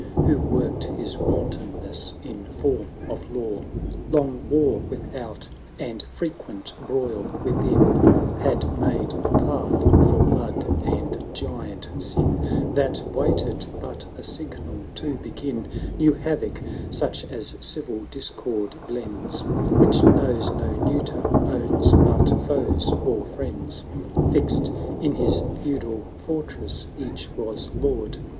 Who worked his wantonness in form of law; Long war without and frequent broil within Had made a path for blood and giant sin, That waited but a signal to begin New havoc, such as civil discord blends, Which knows no neuter, owns but foes or friends; 810 Fixed in his feudal fortress each was lord.